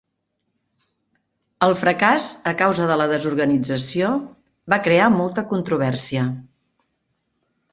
El fracàs a causa de la desorganització va crear molta controvèrsia.